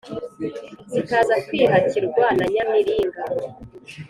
zikaza kwihakirwa na nyamiringa.